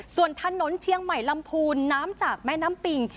ส่วนถนนเชียงใหม่ลำพูนน้ำจากแม่น้ำปิง